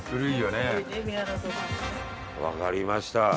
わかりました。